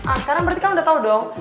ah sekarang berarti kan udah tau dong